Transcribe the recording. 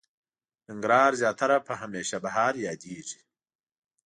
ننګرهار زياتره په هميشه بهار ياديږي.